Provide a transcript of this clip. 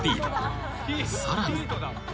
［さらに］